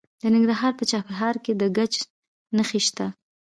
د ننګرهار په چپرهار کې د ګچ نښې شته.